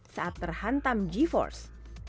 saat terhantam g force